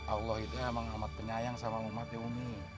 allah itu emang amat penyayang sama umatnya umi